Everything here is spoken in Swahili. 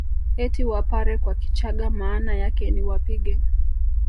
Eti Wapare kwa Kichagga maana yake ni wapige